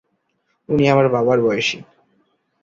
উনি আমার বাবার বয়সী।